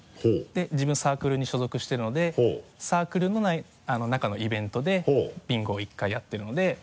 自分サークルに所属してるのでサークルの中のイベントでビンゴを１回やってるので。